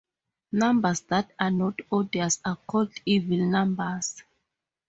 Numbers that are not odious are called evil numbers.